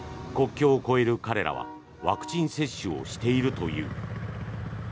国境を越える彼らはワクチン接種をしているという。